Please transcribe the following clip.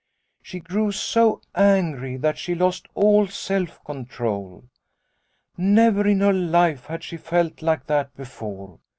She grew so angry that she lost all self control. Never in her life had she felt like that before.